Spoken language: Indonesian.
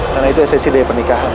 karena itu esensi dari pernikahan